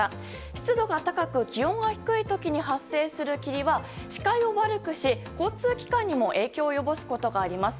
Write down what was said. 湿度が高く、気温が低い時に発生する霧は視界を悪くし、交通機関にも影響を及ぼすことがあります。